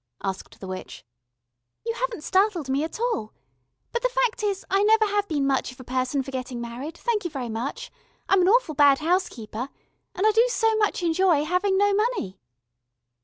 asked the witch. "You haven't startled me at all. But the fact is, I never have been much of a person for getting married, thank you very much. I'm an awful bad house keeper. And I do so much enjoy having no money."